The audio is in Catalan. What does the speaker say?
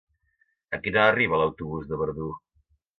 A quina hora arriba l'autobús de Verdú?